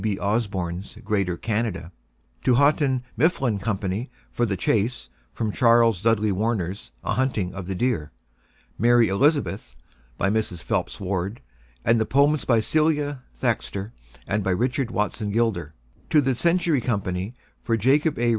B. Osborn's "Greater Canada"; to Houghton Mifflin Company for "The Chase" from Charles Dudley Warner's "A Hunting of the Deer," "Mary Elizabeth" by Mrs. Phelps Ward, and the poems by Celia Thaxter and by Richard Watson Gilder; to The Century Company for Jacob A.